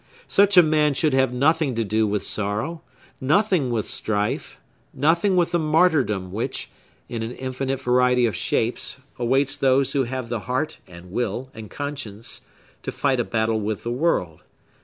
Such a man should have nothing to do with sorrow; nothing with strife; nothing with the martyrdom which, in an infinite variety of shapes, awaits those who have the heart, and will, and conscience, to fight a battle with the world.